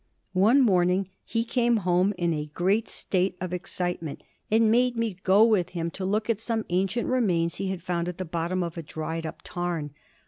One morning he came home in a great state of excitement, and made me go with him to look at some ancient remains he had found at the bottom of a dried up tarn.